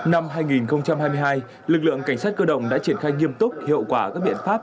năm hai nghìn hai mươi hai lực lượng cảnh sát cơ động đã triển khai nghiêm túc hiệu quả các biện pháp